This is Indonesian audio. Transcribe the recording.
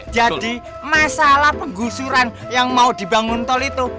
masalah penggusuran yang mau dibangun tol itu